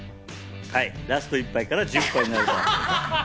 ラスト１杯から１０杯になる。